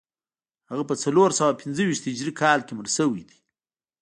هغه په څلور سوه پنځه ویشت هجري کال کې مړ شوی دی